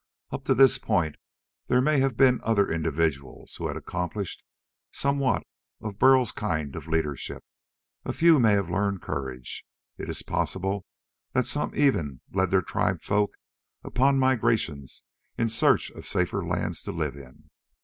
Up to this point, there may have been other individuals who had accomplished somewhat of Burl's kind of leadership. A few may have learned courage. It is possible that some even led their tribesfolk upon migrations in search of safer lands to live in.